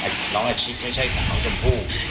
แล้วแม่น้องอาชิกไม่ใช่แม่น้องชมพูด